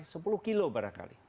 sepuluh kilo barangkali